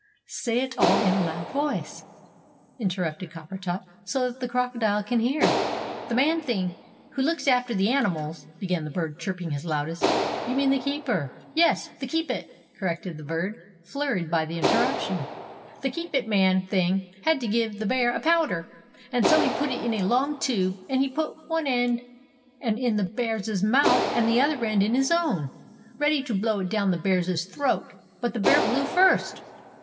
"Say it all in a loud voice," interrupted Coppertop, "so that the crocodile can hear!" "The man thing who looks after the animals," began the Bird, chirping his loudest. "You mean the Keeper!" "Yes, the Keepit!" corrected the Bird, flurried by the interruption. "The Keepit man thing had to give the bear a powder. And so he put it in a long tube, and he put one end in the bear's mouth and the other end in his own, ready to blow it down the bear's throat. But the bear blew first!"